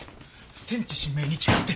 天地神明に誓って。